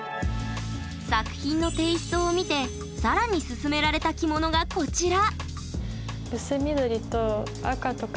作品のテイストを見て更にすすめられた着物がこちら！